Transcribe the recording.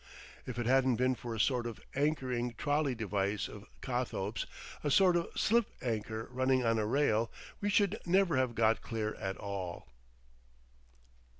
If it hadn't been for a sort of anchoring trolley device of Cothope's, a sort of slip anchor running on a rail, we should never have got clear at all.